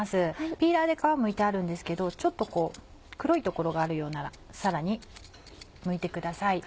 ピーラーで皮むいてあるんですけどちょっと黒い所があるようならさらにむいてください。